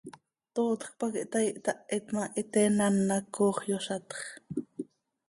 Tootjöc pac ihtaai, ihtahit ma, hiteen án hac coox yozatx.